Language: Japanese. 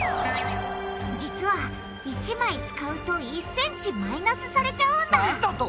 実は１枚使うと１ｃｍマイナスされちゃうんだなんだと？